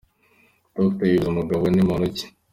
Dr Yves Mugabo ni muntu ki?.